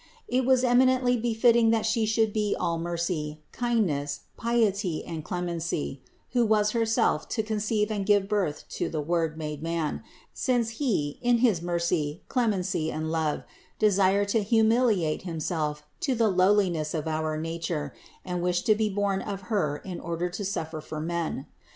It was eminently befitting that She should be all mercy, kindness, piety and clemency, who was Herself to con ceive and give birth to the Word made man, since He in his mercy, clemency and love desired to humiliate Him self to the lowliness of our nature, and wished to be born of Her in order to suffer for men.